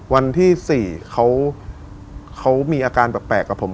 วันที่๔เขามีอาการแปลกกับผม